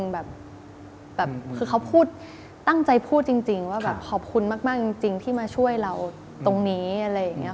แบบคือเขาพูดตั้งใจพูดจริงว่าแบบขอบคุณมากจริงที่มาช่วยเราตรงนี้อะไรอย่างนี้ค่ะ